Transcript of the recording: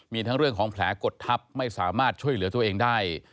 มีทั้งเรื่องของแผลกดทับไม่สามารถช่วยเหลือตัวเองได้